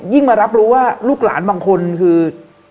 มารับรู้ว่าลูกหลานบางคนคือ